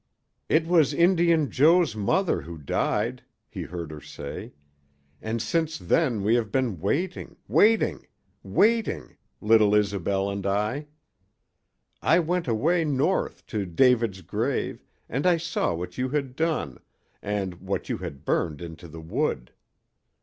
"It was Indian Joe's mother who died," he heard her say. "And since then we have been waiting waiting waiting little Isobel and I. I went away north, to David's grave, and I saw what you had done, and what you had burned into the wood.